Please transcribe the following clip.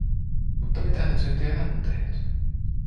Mutta mitähän syntiä hän on tehnyt?